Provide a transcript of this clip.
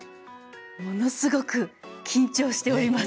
ものすごく緊張しております。